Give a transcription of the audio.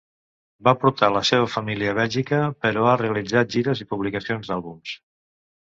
Va portar la seva família a Bèlgica, però ha realitzat gires i publicacions d'àlbums.